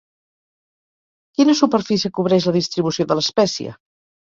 Quina superfície cobreix la distribució de l'espècie?